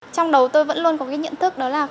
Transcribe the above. trong đầu tôi vẫn luôn có cái nhận thức đó là